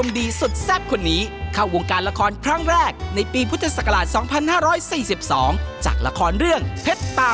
สวัสดีนะคะเอพรทิพย์ค่ะ